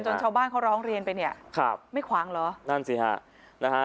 จนชาวบ้านเขาร้องเรียนไปเนี่ยไม่ขวางเหรอ